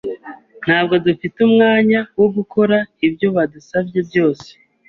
Ntabwo dufite umwanya wo gukora ibyo badusabye byose.